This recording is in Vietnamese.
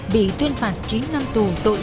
bị tuyên phạt chín năm tù tội